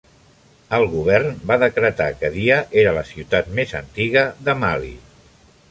El govern va decretar que Dia era la ciutat més antiga de Mali.